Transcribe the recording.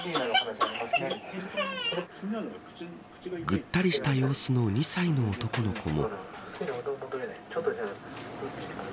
ぐったりした様子の２歳の男の子も。